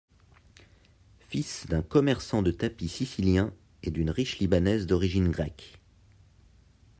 Fils d'un commerçant de tapis sicilien et d'une riche libanaise d'origine grecque.